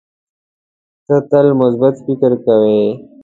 ته تل مثبت فکر کوې.